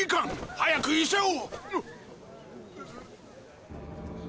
早く医者を！